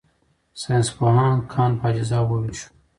ساینسپوهانو کان په اجزاوو وویشو.